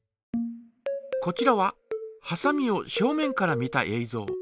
こちらははさみを正面から見たえいぞう。